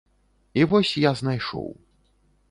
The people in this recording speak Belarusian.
І вось я знайшоў.